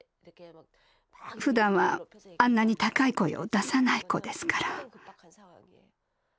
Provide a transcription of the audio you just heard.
ふだんはあんなに高い声を出さない子ですから。